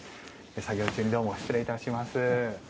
作業中に失礼いたします。